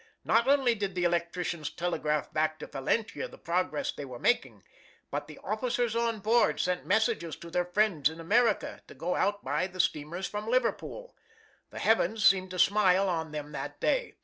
Not only did the electricians telegraph back to Valentia the progress they were making, but the officers on board sent messages to their friends in America to go out by the steamers from Liverpool. The heavens seemed to smile on them that day.